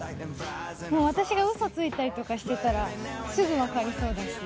もう私がうそついたりとかしてたら、すぐ分かりそうだし。